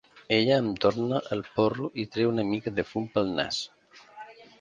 Ella em torna el porro i treu una mica de fum pel nas.